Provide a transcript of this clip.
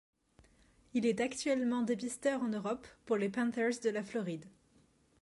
Il est actuellement dépisteur en Europe pour les Panthers de la Floride.